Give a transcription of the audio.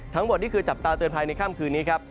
ทั้งหมดนี่คือจับตาเตือนภัยในค่ำคืนนี้ครับ